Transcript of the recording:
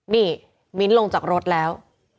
นี่มิ้นท์ลงจากรถแล้ว